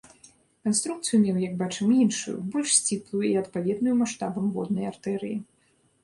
Канструкцыю меў, як бачым, іншую, больш сціплую і адпаведную маштабам воднай артэрыі.